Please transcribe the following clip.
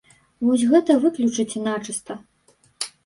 Вось гэта выключыце начыста.